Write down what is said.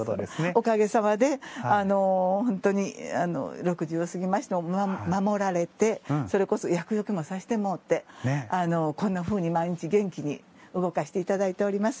おかげさまで本当に６０過ぎましても守られてそれこそ厄よけもさせてもろてこんなふうに毎日元気に動かせていただいております。